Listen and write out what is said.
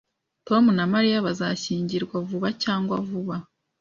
Tom na Mariya bazashyingirwa vuba cyangwa vuba